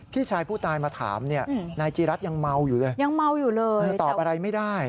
พี่ชายผู้ตายมาถามนายจีรัฐยังเมาอยู่เลยตอบอะไรไม่ได้